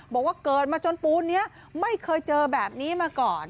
บอกว่าเกิดมาจนปูนนี้ไม่เคยเจอแบบนี้มาก่อน